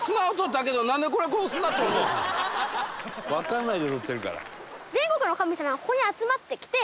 「わかんないで取ってるから」